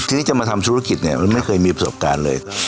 ทีนี้จะมาทำธุรกิจเนี่ยมันไม่เคยมีประสบการณ์เลย